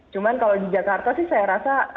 cuma kalau di jakarta sih saya rasa